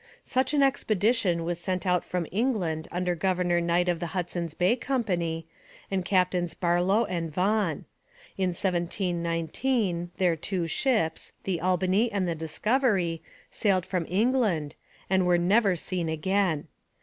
Such an expedition was sent out from England under Governor Knight of the Hudson's Bay Company, and Captains Barlow and Vaughan. In 1719 their two ships, the Albany and the Discovery, sailed from England, and were never seen again.